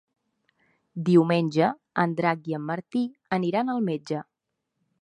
Diumenge en Drac i en Martí aniran al metge.